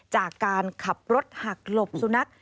จากการขับรถหักหลบสุนัข